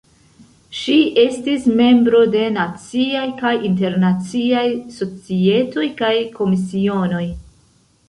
Ŝi estis membro de Naciaj kaj Internaciaj Societoj kaj Komisionoj.